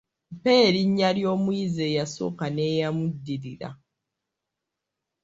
Mpa erinnya ly'omuyizi eyasooka n’eyamuddirira.